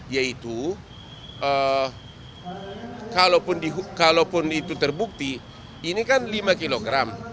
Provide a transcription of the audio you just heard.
yaitu kalaupun itu terbukti ini kan lima kg